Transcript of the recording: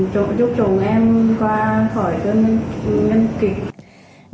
chúc chúng em qua khỏi cơn